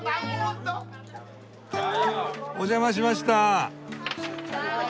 お邪魔しました。